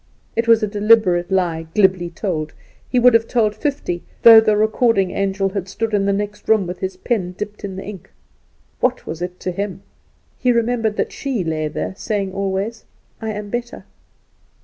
It was a deliberate lie, glibly told; he would have told fifty, though the recording angel had stood in the next room with his pen dipped in the ink. What was it to him? He remembered that she lay there saying always: "I am better."